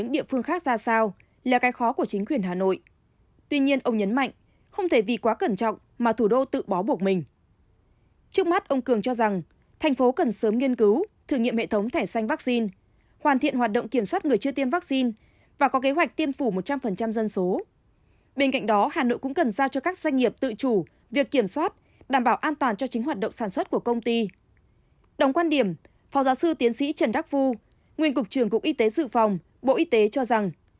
đồng quan điểm phó giáo sư tiến sĩ trần đắc phu nguyên cục trường cục y tế dự phòng bộ y tế cho rằng